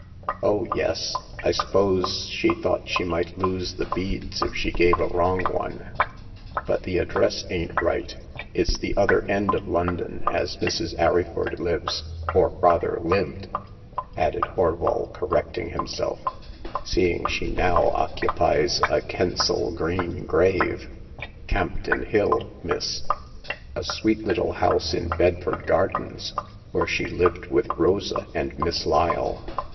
Oh, yes ; I s'pose she thought she might lose the beads if she gave a wrong one ; but the ad dress ain*t right. It's the other end of London as Mrs. Arryford lives— or rather lived," added Horval, correcting himself, seeing she now oc cupies a Kensal Green grave — Campden Hill, miss ; a sweet little house in Bedford Gardens, where she lived with Rosa and Miss Lyle."